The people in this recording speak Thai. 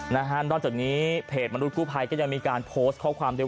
ด้านจากนี้เพจมนุษย์กูภัยก็ยังมีการโพสต์ข้อความ